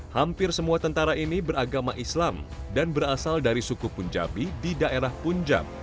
hampir semua tentara ini beragama islam dan berasal dari suku punjabi di daerah punjab